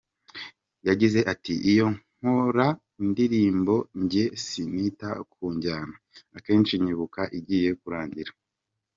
Yagize ati “Iyo nkora indirimbo njye sinita ku njyana, akenshi nyibuka igiye kurangira.